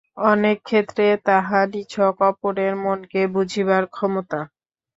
অনেক ক্ষেত্রে তাহা নিছক অপরের মনকে বুঝিবার ক্ষমতা।